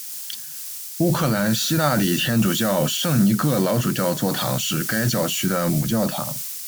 乌克兰希腊礼天主教圣尼各老主教座堂是该教区的母教堂。